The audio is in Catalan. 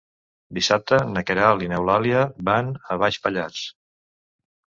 Dissabte na Queralt i n'Eulàlia van a Baix Pallars.